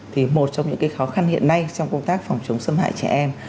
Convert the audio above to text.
thì một trong những khó khăn hiện nay trong công tác phòng chống xâm hại trẻ em